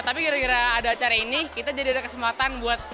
tapi gara gara ada acara ini kita jadi ada kesempatan buat